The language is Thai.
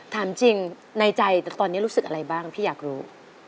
ถามจริงในใจตอนนี้รู้สึกอะไรบ้างพี่อยากรู้